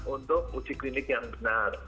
untuk uji klinik yang benar